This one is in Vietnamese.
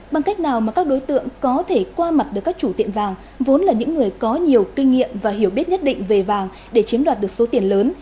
bằng cách nào mà các đối tượng có thể qua mặt được các chủ tiệm vàng vốn là những người có nhiều kinh nghiệm và hiểu biết nhất định về vàng để chiếm đoạt được số tiền lớn